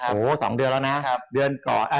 โอ้โห๒เดือนแล้วนะ